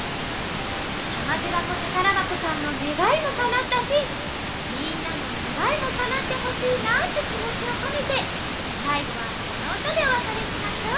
たまてばこたからばこさんのねがいもかなったしみんなのねがいもかなってほしいなってきもちをこめてさいごはこのうたでおわかれしましょう！